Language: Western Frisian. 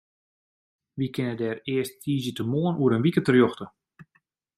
Wy kinne dêr earst tiisdeitemoarn oer in wike terjochte.